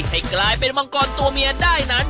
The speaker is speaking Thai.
ให้กลายเป็นมังกรตัวเมียได้นั้น